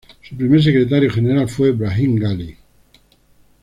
Su primer secretario general fue Brahim Gali.